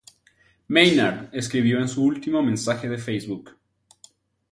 Maynard escribió en su último mensaje de Facebook.